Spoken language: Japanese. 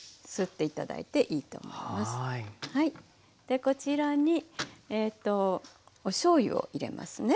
でこちらにおしょうゆを入れますね。